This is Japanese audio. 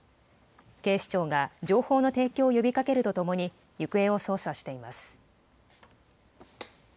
警視庁が情報の提供を呼びかけるとともに行方を捜査しています。